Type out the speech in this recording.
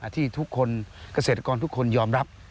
ที่ทุกคนเกษตรกรทุกคนยอมรับ